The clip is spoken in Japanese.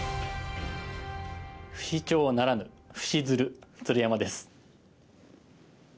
不死鳥ならぬ不死鶴鶴山です。